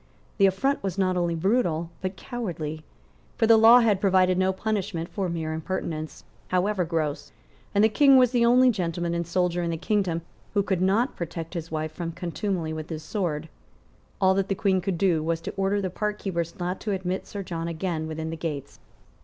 The affront was not only brutal, but cowardly. For the law had provided no punishment for mere impertinence, however gross; and the King was the only gentleman and soldier in the kingdom who could not protect his wife from contumely with his sword. All that the Queen could do was to order the parkkeepers not to admit Sir John again within the gates.